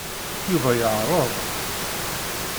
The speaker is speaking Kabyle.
Yuba yeɛreḍ.